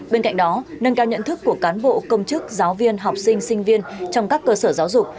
bên cạnh đó nâng cao nhận thức của cán bộ công chức giáo viên học sinh sinh viên trong các cơ sở giáo dục